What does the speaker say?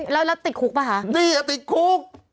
แล้วติดคุกปะฮะนี่ติดคุก